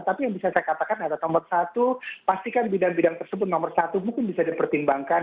tapi yang bisa saya katakan adalah nomor satu pastikan bidang bidang tersebut nomor satu mungkin bisa dipertimbangkan